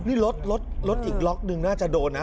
นี่รถรถอีกล็อกหนึ่งน่าจะโดนนะ